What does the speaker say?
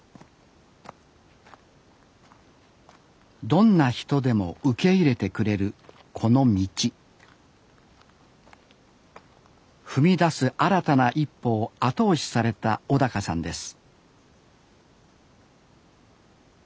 どんな人でも受け入れてくれるこの道踏み出す新たな一歩を後押しされた小さんです